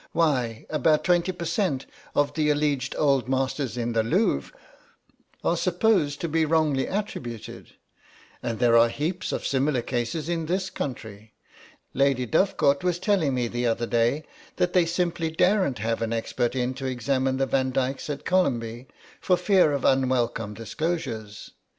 Why, about twenty per cent. of the alleged Old Masters in the Louvre are supposed to be wrongly attributed. And there are heaps of similar cases in this country. Lady Dovecourt was telling me the other day that they simply daren't have an expert in to examine the Van Dykes at Columbey for fear of unwelcome disclosures.